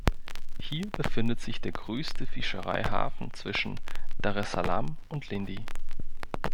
Hier befindet sich der größte Fischereihafen zwischen Daressalam und Lindi.